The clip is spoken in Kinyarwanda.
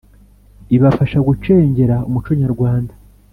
ibafasha gucengera umuco nyarwanda,